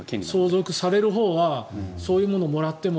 相続されるほうはそういうものをもらっても。